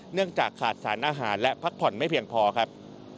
เนื่องจากขาดสารอาหารและพักผ่อนไม่เพียงพอครับ